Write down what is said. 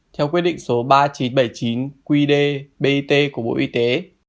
theo quyết định số ba nghìn chín trăm bảy mươi chín qd bit của bộ y tế